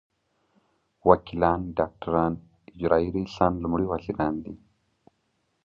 وکیلان ډاکټران اجرايي رییسان لومړي وزیران دي.